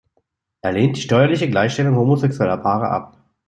Er lehnt die steuerliche Gleichstellung homosexueller Paare ab.